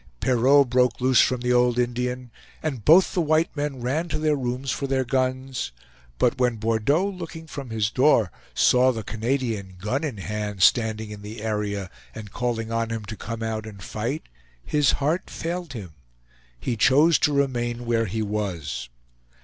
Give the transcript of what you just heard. Perrault broke loose from the old Indian, and both the white men ran to their rooms for their guns; but when Bordeaux, looking from his door, saw the Canadian, gun in hand, standing in the area and calling on him to come out and fight, his heart failed him; he chose to remain where he was.